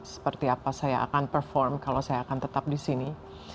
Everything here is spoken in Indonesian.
seperti apa saya akan perform kalau saya akan tetap di sini